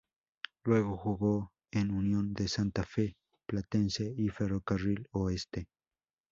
Luego jugó en Unión de Santa Fe, Platense, y Ferrocarril Oeste.